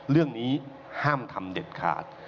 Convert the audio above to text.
เรื่องนี้ห้ามทำเด็ดขาด